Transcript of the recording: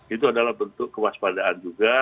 itu adalah bentuk kewaspadaan juga